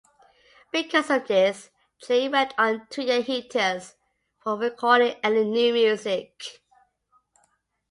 Because of this, Train went on a two-year hiatus from recording any new music.